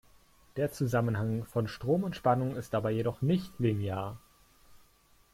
Der Zusammenhang von Strom und Spannung ist dabei jedoch nicht linear.